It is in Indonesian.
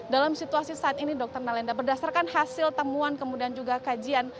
dalam situasi saat ini dr nalenda berdasarkan hasil temuan kemudian juga kajian